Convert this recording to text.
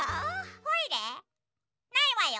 ないわよ。